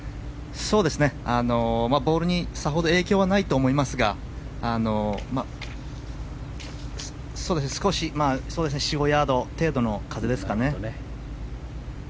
ボールにさほど影響はないと思いますが４５ヤード程度の風ですかね。